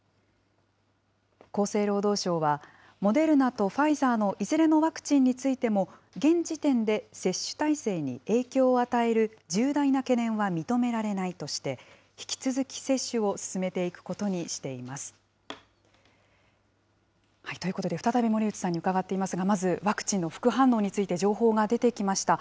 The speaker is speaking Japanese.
厚生労働省は、モデルナとファイザーのいずれのワクチンについても、現時点で接種体制に影響を与える重大な懸念は認められないとして、引き続き接種を進めていくことにしています。ということで再び、森内さんに伺っていきますが、まずワクチンの副反応について情報が出てきました。